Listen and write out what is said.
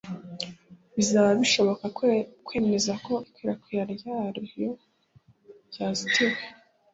bizaba bishoboka kwemeza ko ikwirakwira ryayo ryazitiwe